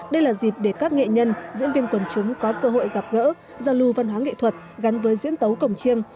đây là dịp để các nghệ nhân diễn viên quần chúng có cơ hội gặp gỡ giao lưu văn hóa nghệ thuật gắn với diễn tấu cổng trương